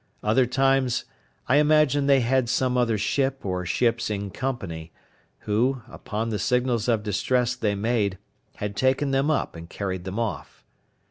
Other times I imagined they had some other ship or ships in company, who, upon the signals of distress they made, had taken them up, and carried them off.